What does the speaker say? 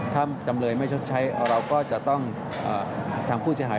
ถ้าจำเลยไม่ชดใช้เราก็จะต้องทางผู้เสียหาย